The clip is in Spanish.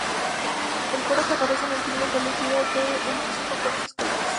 El coro que apareció en el filme fue elegido de entre cinco coros escolares.